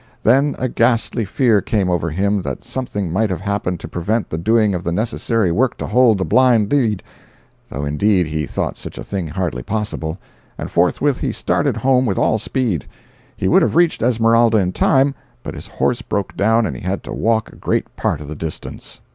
Then a ghastly fear came over him that something might have happened to prevent the doing of the necessary work to hold the blind lead (though indeed he thought such a thing hardly possible), and forthwith he started home with all speed. He would have reached Esmeralda in time, but his horse broke down and he had to walk a great part of the distance.